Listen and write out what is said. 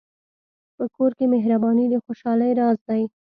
په کور کې مهرباني د خوشحالۍ راز دی.